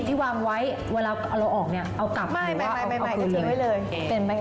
๒๐ที่วางไว้เวลาเราออกเนี่ยเอากลับหรือว่าเอาคืนเลย